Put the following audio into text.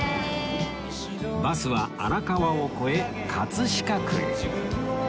バスは荒川を越え飾区へ